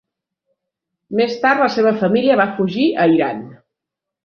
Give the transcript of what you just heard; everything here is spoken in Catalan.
Més tard la seva família va fugir a Iran.